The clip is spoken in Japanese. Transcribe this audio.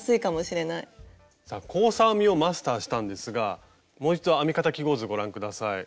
さあ交差編みをマスターしたんですがもう一度編み方記号図ご覧下さい。